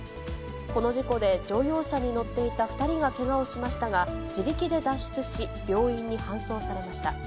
この事故で乗用車に乗っていた２人がけがをしましたが、自力で脱出し、病院に搬送されました。